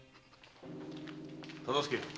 忠相。